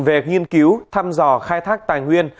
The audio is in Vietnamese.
về nghiên cứu thăm dò khai thác tài nguyên